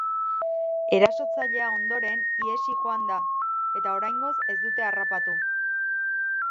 Erasotzailea ondoren ihesi joan da eta oraingoz ez dute harrapatu.